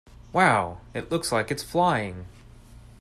Wow! It looks like it is flying!